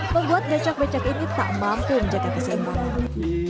membuat becak becak ini tak mampu menjaga keseimbangan